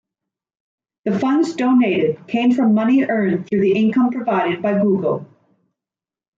The funds donated came from money earned through the income provided by Google.